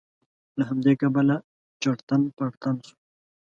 له همدې کبله چړتن پړتن شو.